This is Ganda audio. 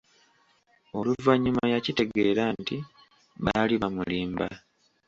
Oluvannyuma yakitegeera nti baali bamulimba.